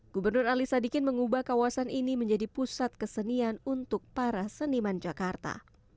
gubernur ali sadikin mengubah kawasan ini menjadi pusat kesenian untuk para seniman jakarta